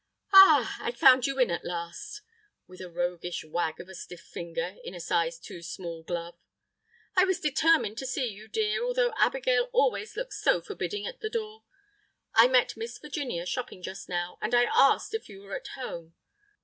"Ah! I've found you in at last" (with a roguish wag of a stiff finger in a size too small glove). "I was determined to see you, dear, though Abigail always looks so forbidding at the door. I met Miss Virginia shopping just now, and I asked if you were at home.